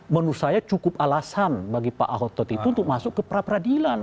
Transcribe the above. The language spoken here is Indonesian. menurut saya cukup alasan bagi pak hotot itu untuk masuk ke pra peradilan